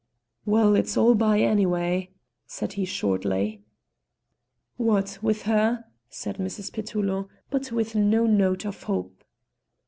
"Well, it's all by, anyway," said he shortly. "What, with her?" said Mrs. Petullo, but with no note of hope.